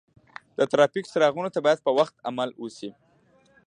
د ترافیک څراغونو ته باید په وخت عمل وشي.